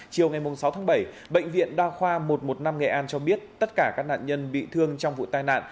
chiều ngày sáu tháng bảy bệnh viện đa khoa một trăm một mươi năm nghệ an cho biết tất cả các nạn nhân bị thương trong vụ tai nạn